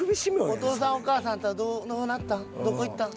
お父さんお母さんとはどうなったん？